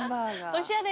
おしゃれ。